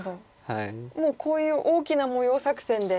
もうこういう大きな模様作戦で。